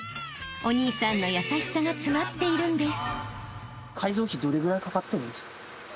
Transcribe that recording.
［お兄さんの優しさが詰まっているんです］